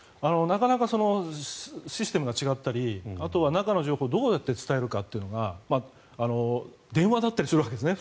なかなかシステムが違ったりあとは中の情報をどうやって伝えるかというのが電話だったりするわけですね